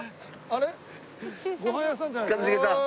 あれ？